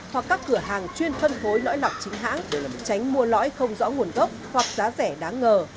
hoặc các cửa hàng chuyên phân phối lõi lọc chính hãng để tránh mua lõi không rõ nguồn gốc hoặc giá rẻ đáng ngờ